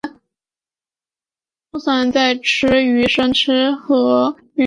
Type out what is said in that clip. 通常在吃鱼生会喝鱼头汤和吃鱼片稀粥。